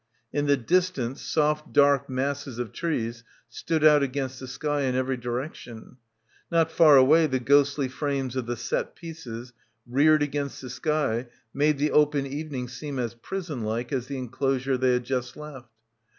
In the distance soft dark masses of trees stood out against the sky in every direction. Not far away the ghostly frames of the set pieces reared against the sky made the open evening seem as prison like as the enclosure they had just left.